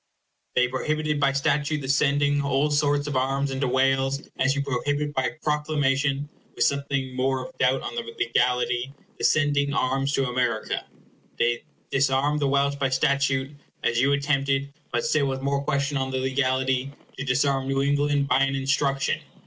They prohibited by statute the sending all sorts of arms into Wales, as you prohibit by proclamation (with something more of doubt on the legality) the sending arms to America. They disarmed the Welsh by statute, as you attempted (but still with more question on the legality) to disarm New England by an instruction.